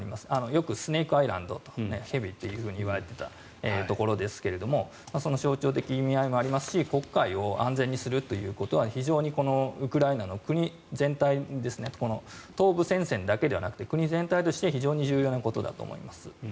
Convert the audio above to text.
よくスネークアイランドと蛇といわれていたところですがその象徴的意味合いもありますし黒海を安全にすることは非常に、このウクライナの国全体東部戦線だけではなくて国全体として非常に重要なことだと思います。